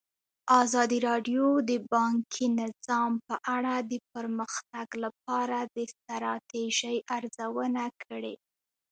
ازادي راډیو د بانکي نظام په اړه د پرمختګ لپاره د ستراتیژۍ ارزونه کړې.